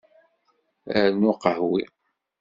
Rnu aqehwi.